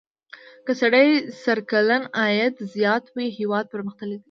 که سړي سر کلنی عاید زیات وي هېواد پرمختللی دی.